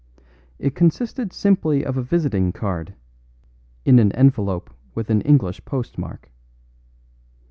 It consisted simply of a visiting card, in an envelope with an English postmark.